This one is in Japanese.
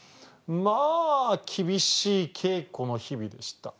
まあ厳しい稽古の日々でした。